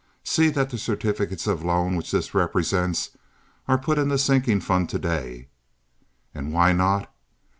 See that the certificates of loan which this represents are put in the sinking fund to day'? And why not?